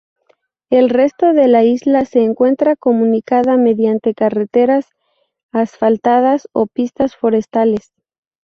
El resto de la isla se encuentra comunicada mediante carreteras asfaltadas o pistas forestales.